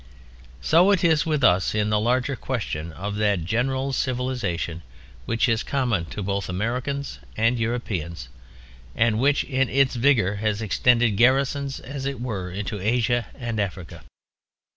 So it is with us in the larger question of that general civilization which is common to both Americans and Europeans, and which in its vigor has extended garrisons, as it were, into Asia and Africa.